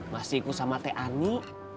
masih ikut sama teh ani